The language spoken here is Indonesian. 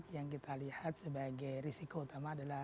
yang kita lihat sebagai risiko utama adalah